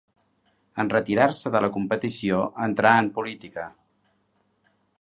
En retirar-se de la competició entrà en política.